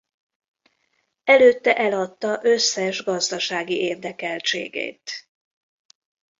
Előtte eladta összes gazdasági érdekeltségét.